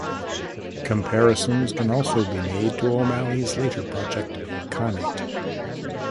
Comparisons can also be made to O'Malley's later project Khanate.